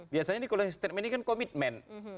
biasanya nih closing statement ini kan komitmen